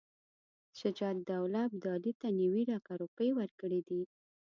شجاع الدوله ابدالي ته نیوي لکه روپۍ ورکړي دي.